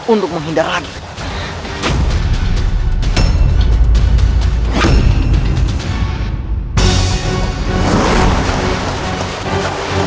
untuk menghindar rakyat